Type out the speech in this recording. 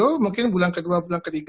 stretch lagi lebih lama lagi gimana briggo